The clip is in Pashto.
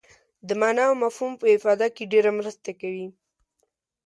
د معنا او مفهوم په افاده کې ډېره مرسته کوي.